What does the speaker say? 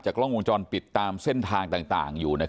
กล้องวงจรปิดตามเส้นทางต่างอยู่